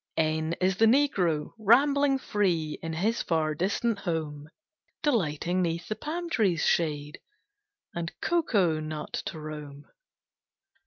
N N is the Negro, rambling free In his far distant home, Delighting 'neath the palm trees' shade And cocoa nut to roam.